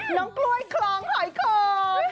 น้องกล้วยคลองหอยขน